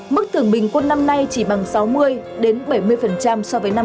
mức thưởng bình quân năm nay chỉ bằng sáu mươi bảy mươi so với năm hai nghìn một mươi